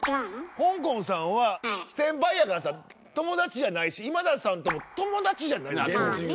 ほんこんさんは先輩やからさ友達じゃないし今田さんとも友達じゃない。